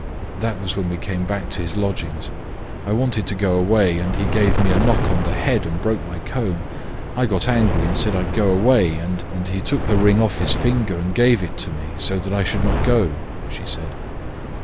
"That was when we came back to his lodgings. I wanted to go away, and he gave me a knock on the head and broke my comb. I got angry and said I'd go away, and he took the ring off his finger and gave it to me so that I should not go," she said.